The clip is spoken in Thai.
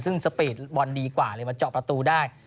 ซึ่งสปีดบอลดีกว่าเลยมาเจาะประตูได้